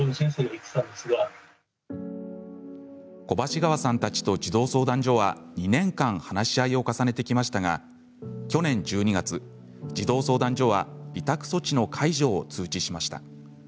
小橋川さんたちと児童相談所は２年間話し合いを重ねてきましたが去年１２月、児童相談所は委託措置の解除を通知しました。